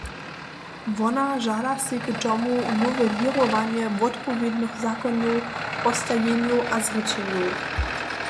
Wona žada sej k tomu nowelěrowanje wotpowědnych zakonjow, postajenjow a zrěčenjow.